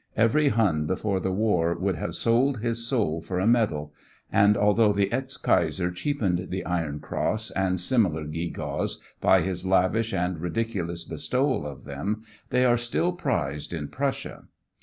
Every Hun before the war would have sold his soul for a medal, and although the ex Kaiser cheapened the Iron Cross and similar gew gaws by his lavish and ridiculous bestowal of them, they are still prized in Prussia.